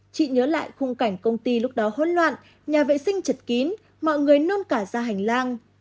chị nhớ lại khung cảnh công ty lúc đó hỗn loạn nhà vệ sinh chật kín mọi người nôn cả ra hành lang